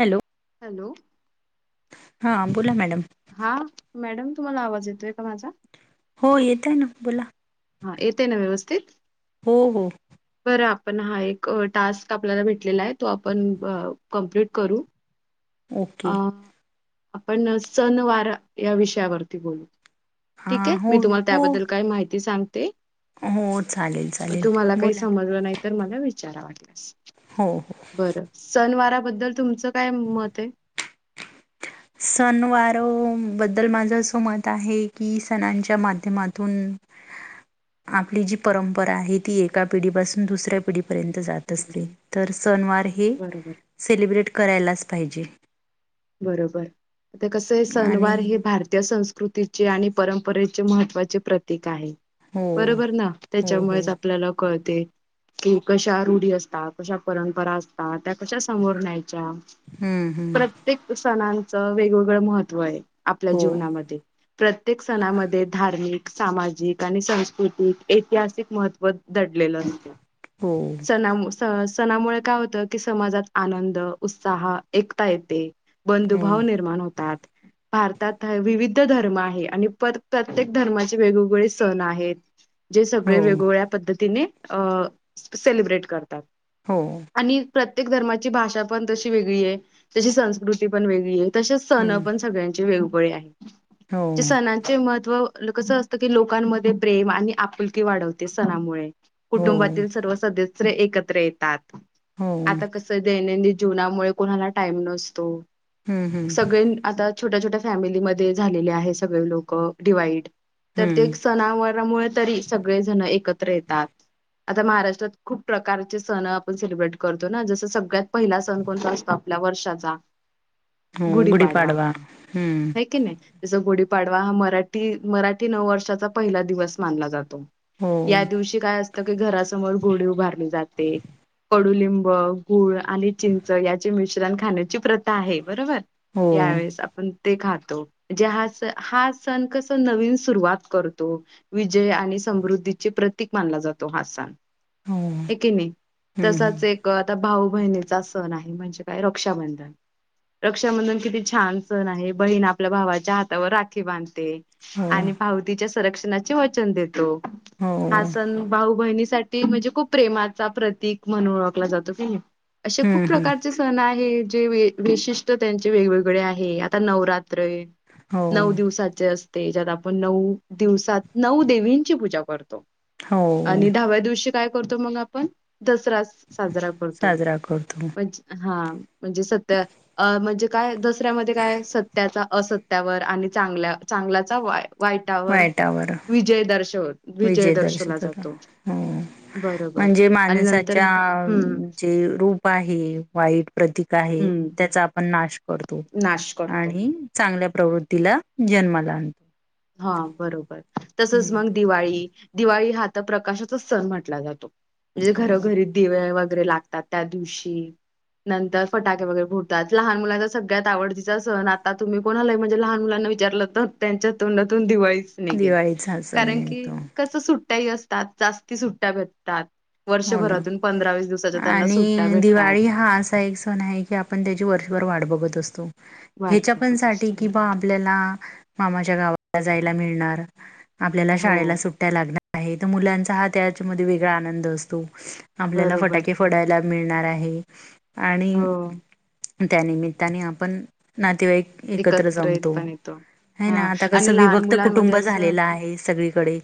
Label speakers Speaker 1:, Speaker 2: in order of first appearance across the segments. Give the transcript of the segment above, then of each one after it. Speaker 1: Hello
Speaker 2: hello
Speaker 1: हा बोला madam,
Speaker 2: हा मॅडम तुम्हाला आवाज येतोय का माझा
Speaker 1: हो येतय ना बोला
Speaker 2: हा येतय ना व्यवस्थित
Speaker 1: हो हो
Speaker 2: बर आपण हा एक टास्क आपल्याला भेटलेला आहे तो आपण अ कंप्लीट करू. अ,
Speaker 1: ओके.
Speaker 2: आपण सण वार या विषयावरती बोलू ठीक
Speaker 1: हां
Speaker 2: ये
Speaker 1: हो
Speaker 2: मी तुम्हाला
Speaker 1: हो
Speaker 2: त्याबद्दल काय माहिती सांगते.
Speaker 1: हो चालेल चालेल
Speaker 2: तुम्हाला काही
Speaker 1: बोला ना
Speaker 2: समजलं नाही. तर मला विचार वाटल्यास
Speaker 1: हो हो
Speaker 2: बर सनवारा बद्दल तुमचं काय मत ये.
Speaker 1: सण वारो बद्दल माझं असं मत आहे की सणांच्या माध्यमातून
Speaker 2: [inaudible]
Speaker 1: आपली जी परंपरा आहे ती एका पिढीपासून दुसऱ्या पिढी पर्यंत जात असतील तर सणं वार हे
Speaker 2: बरोबर
Speaker 1: सेलिब्रेट करायलाच पाहिजे.
Speaker 2: बरोबर आता कस आहे
Speaker 1: आणि
Speaker 2: सणवार हे भारतीय संस्कृ स्कृतीचे आणि परंपरेचे महत्त्वाचे प्रतीक आहे.
Speaker 1: हो
Speaker 2: बरोबर ना
Speaker 1: हो हो
Speaker 2: त्याच्यामुळेच आपल्याला कळ कि कशा रूढी असतात कशा परंपरा असतात त्या कशा समोर न्यायच्या
Speaker 1: हम्म हम्म
Speaker 2: प्रत सणांच वेगवेगळं महत्व आहे आपल्या
Speaker 1: हो
Speaker 2: जीवनामध्ये प्रत्येक सणामध्ये धार्मिक सामाजिक आणि संस्कृतिक ऐतिहासिक महत्त्व दडलेलं असतय
Speaker 1: हो
Speaker 2: सणामु सं सणामुळे काय होतं की समाजात आनंद, उत्साह एकता येते.
Speaker 1: हो
Speaker 2: बंधुभाव निर्माण होतात. भारतात विविध धर्म आहे आणि पर प्रत्येक धर्माचे वेगवेगळे सण आहेत. जे
Speaker 1: हो
Speaker 2: सगळे वेगवेगळ्या पद्धतीने अ सेलिब्रेट करतात.
Speaker 1: हो.
Speaker 2: आणि प्रत्येक धर्माची भाषा पण तशी वेगळी ये तशी संस्कृती पण वेगळी ये. तसेच सण
Speaker 1: हम्म
Speaker 2: पण सगळ्यांचे वेगवेळी आहे,
Speaker 1: हो
Speaker 2: ते सणांचे महत्त्व. कसं असतं की, लोकांमध्ये प्रेम आणि आपुलकी वाढवते सणामुळे.
Speaker 1: हो
Speaker 2: कुटुंबातील सर्व सदस्य एकत्र येतात
Speaker 1: हो
Speaker 2: आता कस दैनंदि जीवनामुळे कोणाला टाईम नसतो
Speaker 1: हम्म हम्म
Speaker 2: सगळे न आता. छोट्या छोट्या फॅमिलीमध्ये झालेले आहे, सगळे लोक डिवाइड.
Speaker 1: हम्म
Speaker 2: प्रत्येक सनावररामुळे तरी सगळेजण एकत्र येतात. आता महाराष्ट्रात खूप प्रकारचे सण आपण सेलिब्रेट करतो ना, जस सगळ्यात पहिला सण कोणता असतो आपल्या. वर्षाचा
Speaker 1: हो
Speaker 2: गुढी पाडवा
Speaker 1: गुढीपाडवा हम्म
Speaker 2: हाय की नाही तस गुढी पाडवा हा मराठी मराठी नववर्षाचा पहिला दिवस मानला जातो.
Speaker 1: हो
Speaker 2: या दिवशी काय असत घरासमोर गुडी उभारले जाते. कडूलिंब, गूळ, आणि चिंच, याचे मिश्रण खाण्याची प्रथा आहे बरोबर.
Speaker 1: हो
Speaker 2: यावेेळेस आपण. ते खोतो हा हा सण कस नवीन सुरवात करतो विजय आणि. समृद्धीचे प्रतीक मानला जातो हा सण.
Speaker 1: हो
Speaker 2: एकी नाही
Speaker 1: हम्म
Speaker 2: तसाच एक आता भाऊ बहिचा सण आहे, म्हणजे काय रक्षाबंधन. रक्षाबंधन किती छान सण आहे, बहीण आपल्या भावाच्या हातावर राखी बांधते.
Speaker 1: हो
Speaker 2: आणि भावतीच्या संरक्षणाचे वचन देतो
Speaker 1: हो
Speaker 2: हा सण भाऊ बहिणीस म्हणजे खूप प्रेमाचा प्रतीक म्हणून ओळखला जातो की नाही. असे खूप
Speaker 1: हम्म हम्म
Speaker 2: प्रकारचे सण आहे, जे विशिष्ट त्यांचे वेगवेगळे आहे आता नवरात. त्रय
Speaker 1: हो
Speaker 2: नऊ दिवसाचे असते. त्याच्यात आपण नऊ दिवसात नऊ देवींची पूजा करतो.
Speaker 1: हो
Speaker 2: आणि दहाव्या दिवशी काय करतो मग आपण? दसरा साजरा करतो
Speaker 1: साजरा करतो
Speaker 2: म्हण हा म्हणजे. म्हणजे काय दसऱ्यामध्ये काय सत्याचा असत्यावर आणि चांगल्या चांगल्याचा वाय वाईटावर विजय दर्शवतो.
Speaker 1: विजयदर्शवतो हो.
Speaker 2: बरोबर
Speaker 1: म्हणजे
Speaker 2: आणि नंतर
Speaker 1: माणसाच्या
Speaker 2: हम्म
Speaker 1: जे रूप आहे, वाईट प्रतीक आहे.
Speaker 2: हम्म
Speaker 1: त्याचा आपण नाश करतो
Speaker 2: नाश करतो
Speaker 1: आणि चा चांगल्या प्रवृत्तीला जन्मला आणतो.
Speaker 2: हा बरोबर तसच मग
Speaker 1: हम्म
Speaker 2: दिवाळी. दिवाळी हा आता प्रकाशाचा सण म्हटला जातो, म्हणजे
Speaker 1: हो
Speaker 2: घरोघरी दिवे. वगैरे लागतात त्या दिवशी. नंतर फटाके वगैरे फुटतात लहान मुलांचा सगळ्यात आवडीतीचा सण आता तुम्ही कोणलाय म्हणजे लहान मुलां. विचारलं तर त्यांच्या तोंडातून दिवाळीच निघे
Speaker 1: दिवाळीचा सण
Speaker 2: कारण की,
Speaker 1: निघतो
Speaker 2: कस सुट्ट्या अस. जाती सुट्ट भेटातात
Speaker 1: हो ना.
Speaker 2: वर्षभरातून पंधरा-वीस
Speaker 1: आणि दिवाळी हा असा एक सण आहे, की, आपण त्याची वर्षभर वाट बघत असतो.
Speaker 2: वाट
Speaker 1: ह्याच्या पण
Speaker 2: बघत
Speaker 1: साठी
Speaker 2: असतो
Speaker 1: कि, बा
Speaker 2: बरोबर
Speaker 1: आपल्याला मामाच्या गावाला जायला मिळणार. आपल्याला
Speaker 2: हो
Speaker 1: शाळेला सुट्ट्या लागणार आहे, तर मुलांचा हा त्याच्या म वेगळा आनंद असतो. आपल्याला
Speaker 2: बरोबर
Speaker 1: फटाके फोडायला मिळणार आहे आणि.
Speaker 2: हो.
Speaker 1: त्या निमित्ताने आपण नातेवाईक एकत्र
Speaker 2: येत
Speaker 1: जमतो.
Speaker 2: पण येतो
Speaker 1: है
Speaker 2: हा
Speaker 1: ना आता कसं
Speaker 2: आणि लहान
Speaker 1: विभक्त
Speaker 2: मुलांमध्ये
Speaker 1: कुटुंब
Speaker 2: असं
Speaker 1: झालेलं आहे, सगळीकडे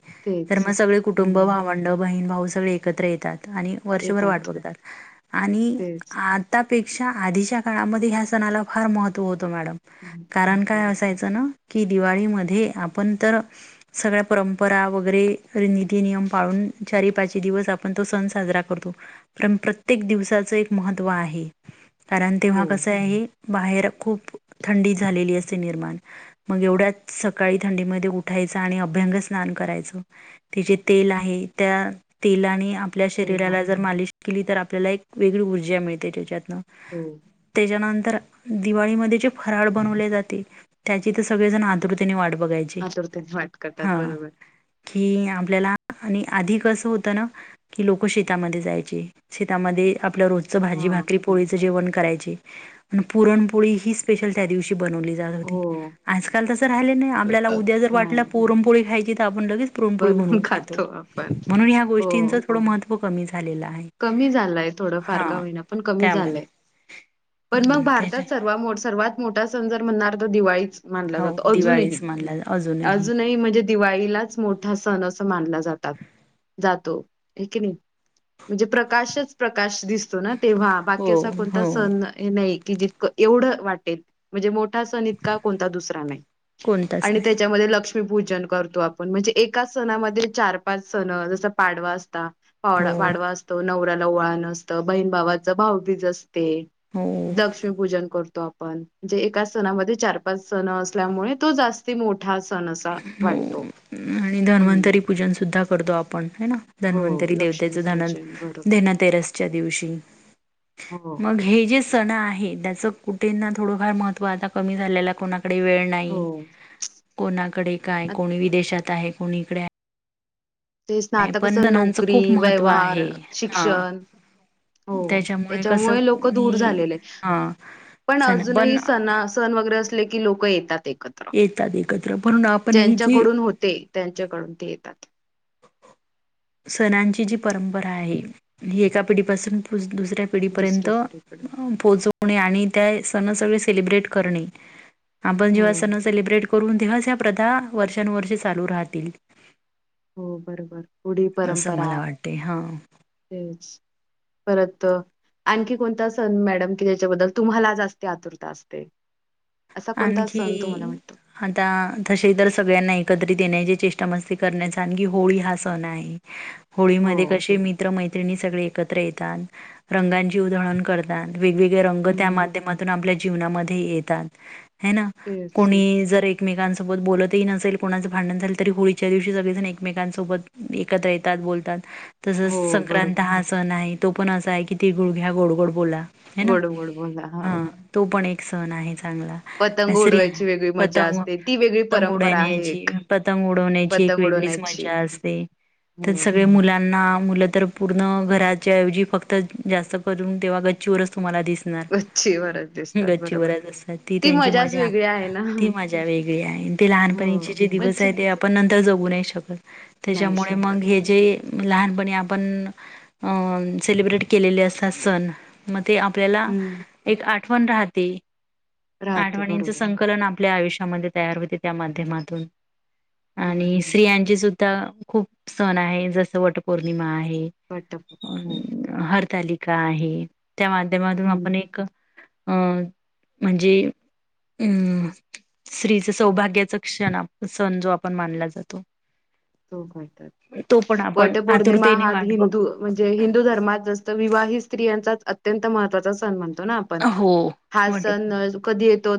Speaker 1: तर
Speaker 2: तेच
Speaker 1: मग सगळे कुटुंब
Speaker 2: हम्म
Speaker 1: भावंड. ंड बहीण भाऊ सगळे एकत्र येतात, आणि वर्षभर वाट
Speaker 2: येतात
Speaker 1: बघतात आणि
Speaker 2: तेच
Speaker 1: आता. पेक्षा आधीच्या काळामध्ये ह्या सणाला फार महत्व होतं, मॅडम
Speaker 2: हम्म,
Speaker 1: कारण काय
Speaker 2: बरोबर
Speaker 1: असायचं ना. की दिवाळीमध्ये आपण तर सगळ्या परंपरा वगैरे नीती नियम पाळून. चारी पाची दिवस आप आपण तो सण साजरा करतो पण प्रत्येक दिवसाच एक महत्व आहे. कारण
Speaker 2: हो
Speaker 1: तेव्हा कसं आहे. बाहेर खूप थंडी झालेली असे निर्माण मग एवढ्याच सकाळी थंडीमध्ये उठा चा अभंग स्नान कराय तेजे तेल आहे, त्या तेलाने. आपल्या
Speaker 2: तेला
Speaker 1: शरीराला जर मालिश केली तर आपल्याला एक वेगळी ऊर्जा मिळते त्याच्यातुन
Speaker 2: हो
Speaker 1: त्याच्यानंतर तर दिवाळीमध्ये जे फराळ बनवले जाते त्याची तर सगळेजण आतुरतेने वाट बघतात
Speaker 2: आतुरतेने वाट बघतात बरोबर
Speaker 1: कि आपल्याला आणि आधी कसं होतं ना की लोक शेतामध्ये जायचे शेतामध्ये आपल्या रोजचं भाजी
Speaker 2: हा
Speaker 1: भाकरी पोळीचं जेवण करायचे, पुरणपोळी हि स्पेशल त्यादिवशी बनवली जात होती,
Speaker 2: हो
Speaker 1: आजकाल तसं राहिलेले नही, आपल्याला उद्या जर वाटलं
Speaker 2: नाही
Speaker 1: पुरणपोळी खायची तर आपण लगेच पुरणपोळी बनवून खातो, म्हणून या
Speaker 2: हो
Speaker 1: गोष्टींच थोडं महत्व कमी झालेलं आहे.
Speaker 2: कमी झालाय थोडं फार का
Speaker 1: हा
Speaker 2: होईना पण कमी
Speaker 1: त्यामुळे
Speaker 2: झालंय पण मग
Speaker 1: हं, त्याच्या
Speaker 2: भारतात सर्वा मोठा, सर्वात मोठा सण जर म्हणणार तर दिवाळीच मानला
Speaker 1: हो
Speaker 2: जातो. अजूनही
Speaker 1: दिवाळीच मानला
Speaker 2: अजूनही म्हणजे दिवाळीलाच मोठा सण अस मानला जातात, जातो हेकी नाही? म्हणजे प्रकाशच प्रकाश दिसतो ना तेव्हा बाकी
Speaker 1: हो
Speaker 2: असा कोणता
Speaker 1: हो
Speaker 2: सण नाही. की जितकं एवढं वाटेल म्हणजे मो इतका कोणता दुसरा नाही
Speaker 1: कोणताच
Speaker 2: आणि
Speaker 1: नाही
Speaker 2: त्याच्यामध्ये लक्ष्मी पूजन करतो आपण, म्हणजे एका सणामध्ये चार पाच सण जस पाडवा असता पावड
Speaker 1: हो
Speaker 2: पाडवाअसतो, नवऱ्याला ओवाळनं असतं, बहीण भावाचं भावबीज असतं ते
Speaker 1: हो
Speaker 2: लक्ष्मीपूजन करतो आपण म्हनजे एका सणामध्ये चार पाच सण असल्यामुळे तो जास्ती मोठा सण असा
Speaker 1: हो
Speaker 2: वाटतो.
Speaker 1: आणि
Speaker 2: हम्म
Speaker 1: धन्वंतरी पूजन सुद्धा करतो आपण हेना?
Speaker 2: हो
Speaker 1: धन्वंतरी देवतेच धन
Speaker 2: लक्ष्मीपूजन बरोबर
Speaker 1: धनातेरसच्या दिवशी
Speaker 2: हो
Speaker 1: मग हे जे सण आहे त्याच कुठ ना थोडंफार महत्त्व आता कमी झालेला, कोणाकडे वेळ
Speaker 2: हो.
Speaker 1: नाही कोणा कडे काय कोण विदेशात आहे कोणी इकडे आहे.
Speaker 2: तेचना आता कस
Speaker 1: पण सणांचं
Speaker 2: नोकरी,
Speaker 1: खूप महत्त्व
Speaker 2: व्यवहार,
Speaker 1: आहे हा
Speaker 2: शिक्षण हो
Speaker 1: कसं
Speaker 2: त्याच्यामुळे लोक दूर
Speaker 1: हे
Speaker 2: झालेले.
Speaker 1: हा
Speaker 2: पण
Speaker 1: चला पण
Speaker 2: अजूनही सणा सन वगैरे असले की लोक येतात एकत्र
Speaker 1: येतात एकत्र म्हणून आपण ही जी
Speaker 2: ज्यांच्याकडून होते त्यांच्याकडून ते येतात.
Speaker 1: सणांची जी परंपरा आहे, ही एका पिढीपासून दुसऱ्या पिढीपर्यंत
Speaker 2: दुसऱ्याकडेकडे
Speaker 1: पोहोचवणे आणि त्या सण सळे सेलब्रेट करणे आपण
Speaker 2: हो
Speaker 1: जेव्हा आपण सन सेलिब्रेट करून दिवस ह्या प्रथा वर्षानुवर्षे चालू राहतील.
Speaker 2: हो बरोबर पुढ
Speaker 1: असं
Speaker 2: परंपरा
Speaker 1: मला वाटते हा
Speaker 2: तेच परत आणखी कोणता सण मॅडम कि, त्याच्याबद्दल तुम्हाला जास्ती आतुरता असते? असा कोणता
Speaker 1: आणखी
Speaker 2: सण तुम्हाला वाटतो
Speaker 1: आता तसे तर सगळ्यांना एकत्रित येण्याचे चेष्टा मस्ती करण्याचा आणखी होळी हा सण आहे, होळी
Speaker 2: हो
Speaker 1: मध्ये कशे मित्र मैत्रीनीं सगळे एकत्र येतात, रंगाचीं उधळण करतात. वेगवेगळे रंग त्या
Speaker 2: हम्म
Speaker 1: माध्यमातून आपल्या जीवनामध्ये येतात. हैना?
Speaker 2: तेच
Speaker 1: कोणी जर एक एकमेकांसोबत बोलतही नसेल कोणाचं भांडण झालं तरी होळीच्या दिवशी सगळेजण एकमेकांसोबत एकत्र येतात. बोलतात
Speaker 2: हो
Speaker 1: तसच संक्रांत
Speaker 2: बरोबर
Speaker 1: हा सण आहे, तो पण असा आहे कि ते गुळघ्या गोड गोड बोला. हैना,?
Speaker 2: गोड गोड बोला हो
Speaker 1: हा तो पण एक सण आहे चांगला,
Speaker 2: पतंग उडवायची वेगळी मजा
Speaker 1: पतंग
Speaker 2: असते ती वेगळी
Speaker 1: पतंग
Speaker 2: परंपरा आहे
Speaker 1: उडण्याची
Speaker 2: एक
Speaker 1: पतंग उडवण्याची [unintelligible] एक
Speaker 2: पतंग
Speaker 1: वेगळीच
Speaker 2: उडवण्याची
Speaker 1: मजा असते,
Speaker 2: हो
Speaker 1: सगळे मुलांना मुलं तर पूर्ण घराच्या एवजी फक्त जास्त करून तेव्हा गच्चीवरच तुम्हाला दिसनार
Speaker 2: गच्ची वरच दिसतात
Speaker 1: गच्चीवर
Speaker 2: बरोबर
Speaker 1: असणार ती त्यांची
Speaker 2: मजाच
Speaker 1: मजा
Speaker 2: वेगळी आहे ना
Speaker 1: ती मजा वेगळी आहे, ते लहानपणीचे
Speaker 2: हो
Speaker 1: जे दिवस
Speaker 2: मज्जा
Speaker 1: आहे ते आपण नंतर जगु नही शकत,
Speaker 2: नाही
Speaker 1: त्याच्यामुळे मग
Speaker 2: शकत
Speaker 1: हे
Speaker 2: बरोबर
Speaker 1: जे लहानपनीं आपण सेलब्रेट केलेले असतात सण मग ते आपल्याला
Speaker 2: हम्म
Speaker 1: एक आठवण राहते.
Speaker 2: राहते
Speaker 1: आठवणींच
Speaker 2: बरोबर
Speaker 1: संकलन आपल्या आयुष्य म्हणजे तयार होते, त्या माध्यमातून आणि
Speaker 2: बरोबर
Speaker 1: स्त्रियांचे सु खूप सण आहे. वटपौर्णिमा आहे, अ
Speaker 2: वटपौर्णिमा हो
Speaker 1: हर तालिका आहे. त्या माध्यमातून
Speaker 2: हम्म
Speaker 1: आपण एक अं म्हणजे अ स्त्रीच सौभाग्याचा क्षण सण जो आपण मानला जातो.
Speaker 2: हो खातात.
Speaker 1: तो पण आपण
Speaker 2: वट पौर्णिमा
Speaker 1: आतुरतेने
Speaker 2: हा त
Speaker 1: वाट बघ
Speaker 2: हिंदू म्हणजे हिंदू धर्मात जास्त विवाहित स्त्रियांचा अत्यंत महत्त्वाचा सण म्हणतो ना आपण,
Speaker 1: हो
Speaker 2: हा
Speaker 1: वाट
Speaker 2: सण कधी ये तो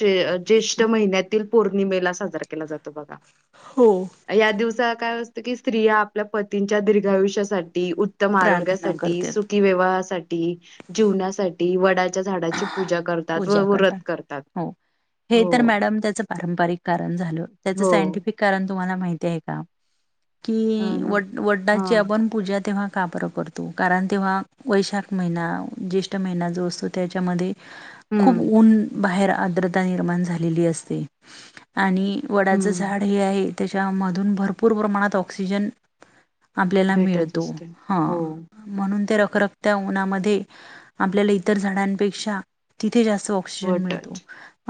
Speaker 2: ज्येष्ठ महिन्यातील पौर्णिमेला साजरा केला जातो. बघा
Speaker 1: हो
Speaker 2: या दिवसाला काय असतं, कि स्त्रिया आपल्या पतींच्या दीर्घायुष्यासाठी उत्तम
Speaker 1: प्रार्थना
Speaker 2: आरोग्यासाठी,
Speaker 1: करते
Speaker 2: सुखीविवाहासाठी, जीवनासाठी, वडा च्या झाडाची पूजा करतात व व व्रत करतात.
Speaker 1: हो हे
Speaker 2: हो,
Speaker 1: तर मॅडम त्याच पारंपरिक कारण झालं. त्याच
Speaker 2: हो.
Speaker 1: सायंटिफिक कारण तुम्हाला माहिती आहे का? की
Speaker 2: अं
Speaker 1: वट-
Speaker 2: हा.
Speaker 1: वटाची आपण पूजा तेव्हा का बरं करतो, कारण तेव्हा वैशाख महिना ज्येष्ठ महिना जो असतो त्याच्यामध्ये खूप
Speaker 2: हम्म,
Speaker 1: ऊन बाहेर आर्द्रता निर्माण झालेली असते. आणि वडाचं
Speaker 2: हम्म.
Speaker 1: झाड हे आहे त्याच्यामधून भरपूर प्रमाणात ऑक्सिजन आपल्याला
Speaker 2: भेटच
Speaker 1: मिळतो.
Speaker 2: असते.
Speaker 1: ह
Speaker 2: हो.
Speaker 1: म्हणून त्या र रखरखत्या उन्हामधे आपल्याला इतर झाडापेक्षा तिथे जास्त ऑक्सिजन मिळतो.
Speaker 2: वटच.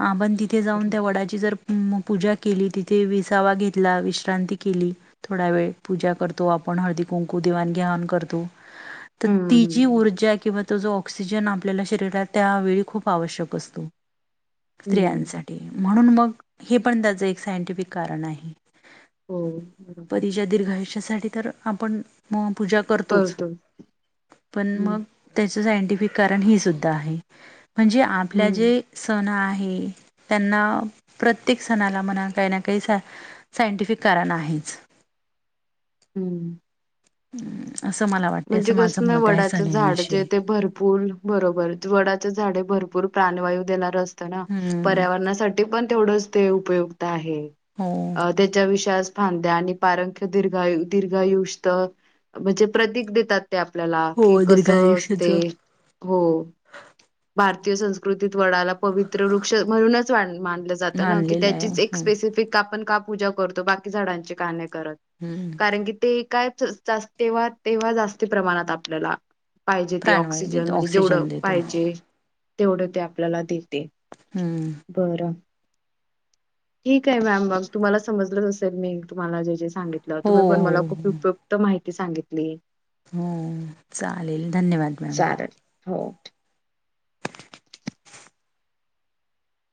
Speaker 1: आपण तिथे जाऊन
Speaker 2: हम्म,
Speaker 1: त्या वडाची जर म पूजा केली तिथे विसावा घेतला, विश्रांती केली, थोडा वेळ पूजा करतो आपण आपण हळदी कुंकू, देवाण घेवाण, करतो. तर ती
Speaker 2: हम्म.
Speaker 1: जी ऊर्जा, किंवा तो जो ऑक्सिजन, आपल्याला शरीरात त्यावेळी खूप आवश्यक असतो.
Speaker 2: हम्म.
Speaker 1: स्त्रियांसाठी. म्हणून मग, हे पण, त्याचं एक सायंटिफिक कारण आहे.
Speaker 2: हो बरोबर.
Speaker 1: त्या साठी तर आपण पूजा करतोच
Speaker 2: करतो.
Speaker 1: पण
Speaker 2: हम्म,
Speaker 1: मग त्या त्याच सायंटिफिक कारण हे सुद्धा आहे. म्हणजे आपल्या
Speaker 2: हम्म,
Speaker 1: जे सण आहे- हे त्यांना प्रत्येक सणाला म्हणा, काही ना काही सा सायंटिफिक कारण आहे. ह् [inaudible]
Speaker 2: हम्म.
Speaker 1: हम्म.
Speaker 2: म्हणजे कस ना, वडाच झाड,
Speaker 1: सणांविषयी
Speaker 2: जे ते भरपूर बरोबर. वडाचे झाडे भरपूर प्राणवायू देणार असतं ना,
Speaker 1: हम्म
Speaker 2: पर्यावरणासाठी पण तेवढंच ते उपयुक्त आहे.
Speaker 1: हो.
Speaker 2: हे त्याच्या विषयी आज फांद्या आणि पारंख्य, दीर्घा दीर्घायुष म्हणजे प्रतीिक देतात. ते आपल्याला.
Speaker 1: हो
Speaker 2: कि कस असते,
Speaker 1: दीर्घायुष्याचं.
Speaker 2: हो. भारतीय संस्कृतीत वडाला पवित्र वृक्ष म्हणूनच वान मान दिला जातो ना की
Speaker 1: मानलेलं आहे
Speaker 2: त्याचीच एक
Speaker 1: हम्म
Speaker 2: स्पेसिफिक आपण का पूजा करतो. बाकी झाडांची का नाही? करत
Speaker 1: हम्म
Speaker 2: कारण की ते काय तेव्हा, तेव्हा जास्त प्रमाणात आपल्याला पाहिजे ते
Speaker 1: प्राणवायू
Speaker 2: ऑक्सिजन.
Speaker 1: देतो
Speaker 2: म्हणजे जेवढं
Speaker 1: ऑक्सिजन देतो
Speaker 2: पाहिजे. तेवढं ते आपल्याला देते.
Speaker 1: हम्म.
Speaker 2: बरं. ठीक आहे मॅम मघ तुम्हाला समजलच असेल, मी तुम्हाला जे जे सांगितलं.
Speaker 1: हो
Speaker 2: तुम्ही पण
Speaker 1: हो
Speaker 2: मला खूप
Speaker 1: हो
Speaker 2: उपयुक्त माहिती सांगितली.
Speaker 1: हो. चालेल. धन्यवाद मॅम.
Speaker 2: चालेल हो.